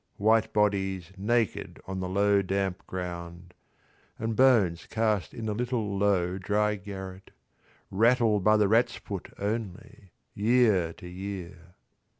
White bodies naked on the low damp ground And bones cast in a little low dry garret, Rattled by the rat's foot only, year to year.